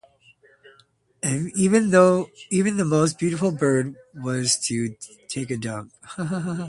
Even the most beautiful bird has to take a dump.